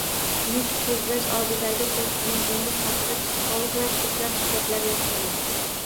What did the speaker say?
Nutq so‘zlash oldidagi qo‘rquvni yengish haqida psixologlar ko‘plab kitoblar yozganlar